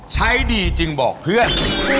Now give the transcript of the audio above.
ใช้ดีจึงบอกเพื่อน